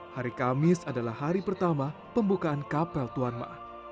hari kamis adalah hari pertama pembukaan kapel tuan ma